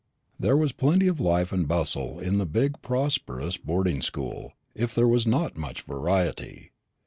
There was plenty of life and bustle in the big prosperous boarding school, if there was not much variety.